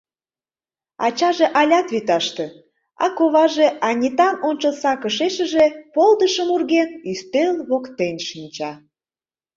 Ачаже алят вӱташте, а коваже, Анитан ончылсакышешыже полдышым урген, ӱстел воктен шинча.